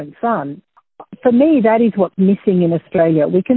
dan anda melihat bahwa dia menjadi radikal